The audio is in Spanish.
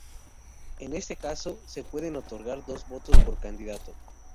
En este caso, se pueden otorgar dos votos por candidato.